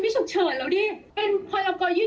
ผิดหวังมาก